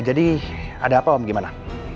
jadi ada apa om gimana